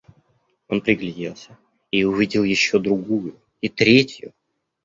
Он пригляделся и увидел еще другую и третью.